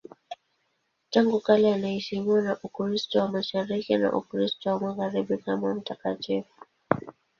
Tangu kale anaheshimiwa na Ukristo wa Mashariki na Ukristo wa Magharibi kama mtakatifu.